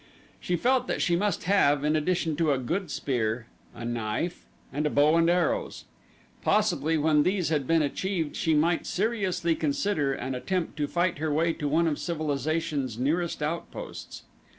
She felt that she must have, in addition to a good spear, a knife, and bow and arrows. Possibly when these had been achieved she might seriously consider an attempt to fight her way to one of civilization's nearest outposts.